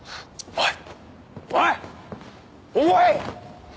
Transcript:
おい！